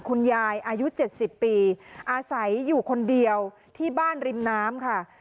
คุณยายอายุ๗๐ปีอาศัยอยู่คนเดียวที่บ้านริมน้ำค่ะ